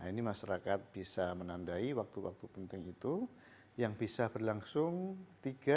ini masyarakat bisa menandai waktu waktu penting itu yang bisa berlangsung tiga hari